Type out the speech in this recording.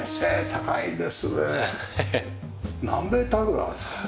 何メーターぐらいあるんですか？